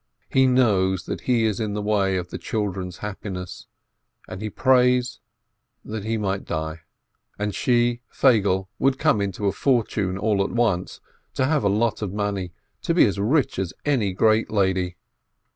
He knows that he is in the way of the children's happiness, and he prays that he may die. And she, Feigele, would like to come into a fortune all at once, to have a lot of money, to be as rich as any great lady.